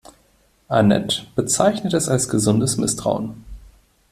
Anette bezeichnet es als gesundes Misstrauen.